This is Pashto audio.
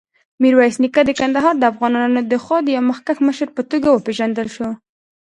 میرویس نیکه د کندهار دافغانانودخوا د یوه مخکښ مشر په توګه وپېژندل شو.